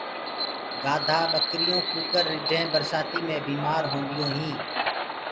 گآڌآ ٻڪرِيونٚ ڪوڪرِ رِڍينٚ برسآتيٚ مي بيٚمآر هونٚديو هينٚ